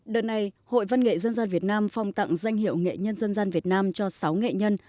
đợt này hội văn nghệ dân gian việt nam phong tặng danh hiệu nghệ nhân dân gian việt nam cho sáu nghệ nhân